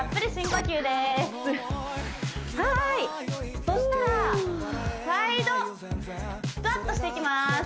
はーいそうしたらサイドスクワットしていきます